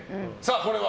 これは？